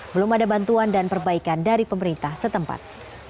belum ada bantuan dan perbaikan dari pemerintah setempat